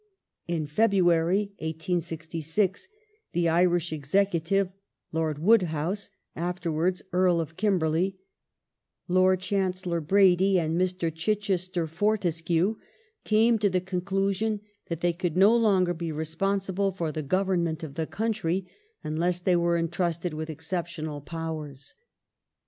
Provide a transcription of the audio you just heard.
In February, 1866, the Irish Executive, Lord Wode house (afterwards Earl of Kimberley), Lord Chancellor Brady, and Mr. Chichester Fortescue, came to the conclusion that they could no longer be responsible for the government of the country unless they were entrusted with exceptional powei s.